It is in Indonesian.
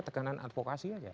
teganan advokasi aja